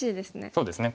そうですね